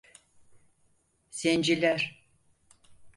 Zenciler…